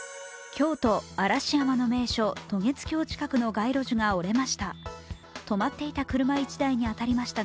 京都・嵐山の名所近くの街路樹が折れました。